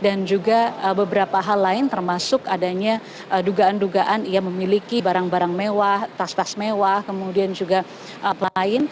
dan juga beberapa hal lain termasuk adanya dugaan dugaan ia memiliki barang barang mewah tas tas mewah kemudian juga lain